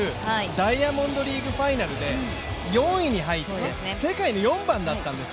ダイヤモンドリーグファイナルで４位に入って世界で４番になったんです。